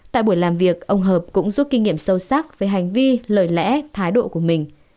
tại buổi làm việc ông hợp cũng rút kinh nghiệm sâu sắc về hành vi lời lẽ thái độ của mình